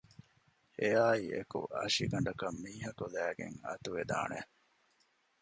އެއާއިއެކު އަށިގަނޑަކަށް މީހަކު ލައިގެން އަތުވެދާނެ